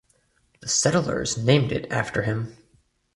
The settlers named it after him.